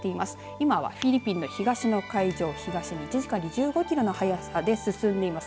今はフィリピンの東の海上を１時間に１５キロの速さで進んでいます。